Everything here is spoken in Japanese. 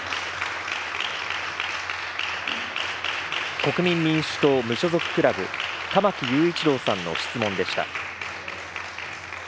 国民民主党・無所属クラブ、玉木雄一郎さんの質問でした。